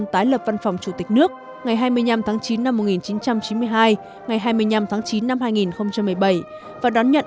tái lập văn phòng chủ tịch nước ngày hai mươi năm tháng chín năm một nghìn chín trăm chín mươi hai ngày hai mươi năm tháng chín năm hai nghìn một mươi bảy và đón nhận